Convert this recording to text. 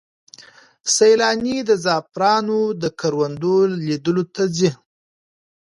سیلانۍ د زعفرانو د کروندو لیدلو ته ځي.